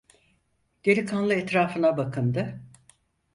Delikanlı etrafına bakındı.